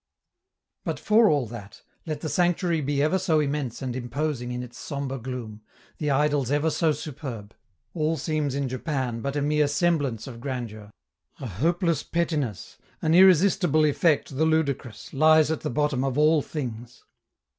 But for all that, let the sanctuary be ever so immense and imposing in its sombre gloom, the idols ever so superb, all seems in Japan but a mere semblance of grandeur. A hopeless pettiness, an irresistible effect the ludicrous, lies at the bottom of all things.